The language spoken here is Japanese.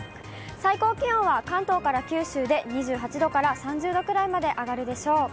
最高気温は関東から九州で２８度から３０度くらいまで上がるでしょう。